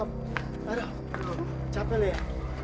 aduh capek deh